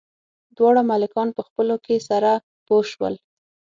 دواړه ملکان په خپلو کې سره پوه شول.